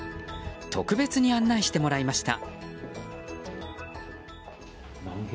特別に案内してもらいました。